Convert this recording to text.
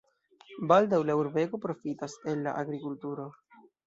Baldaŭ la urbego profitas el la agrikulturo.